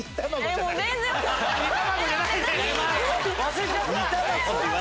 忘れちゃった。